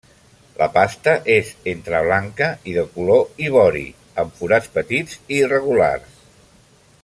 La pasta és entre blanca i de color ivori amb forats petits i irregulars.